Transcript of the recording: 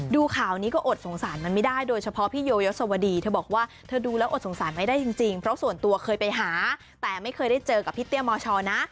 ดูข่าวนี้ก็อดสงสารมันไม่ได้โดยเฉพาะพี่โยยศวดีเธอบอกว่าเธอดูแล้วอดสงสารไม่ได้จริงเพราะส่วนตัวเคยไปหาแต่ไม่เคยได้เจอกับพี่เตี้ยมชนะ